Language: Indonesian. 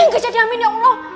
enggak jadi amin ya allah